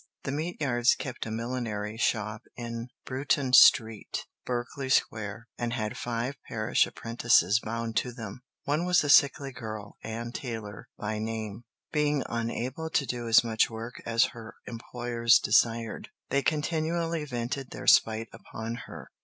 The Meteyards kept a millinery shop in Bruton Street, Berkeley Square, and had five parish apprentices bound to them. One was a sickly girl, Anne Taylor by name. Being unable to do as much work as her employers desired, they continually vented their spite upon her.